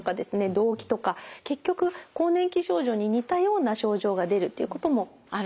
動悸とか結局更年期症状に似たような症状が出るっていうこともあるんですね。